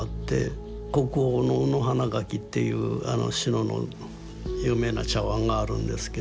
国宝の「卯花墻」っていう志野の有名な茶碗があるんですけど。